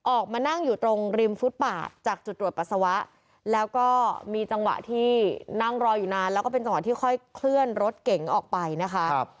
ออกมานั่งอยู่ตรงริมฟุตบาทจากจุดตรวจปัสสาวะแล้วก็มีจังหวะที่นั่งรออยู่นานแล้วก็เป็นจังหวะที่ค่อยเคลื่อนรถเก๋งออกไปนะคะ